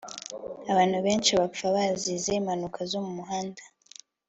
Abantu benshi bapfa bazize impanuka zo mumuhanda